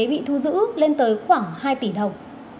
bị thu giữ lên tới khoảng hai tỷ đồng